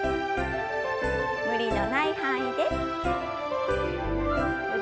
無理のない範囲で。